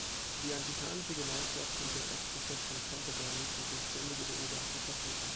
Die Anglikanische Gemeinschaft und der Erzbischof von Canterbury sind durch ständige Beobachter vertreten.